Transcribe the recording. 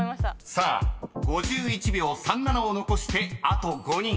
［さあ５１秒３７を残してあと５人］